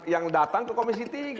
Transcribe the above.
yang datang ke komisi tiga